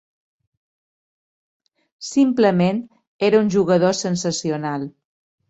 Simplement era un jugador sensacional.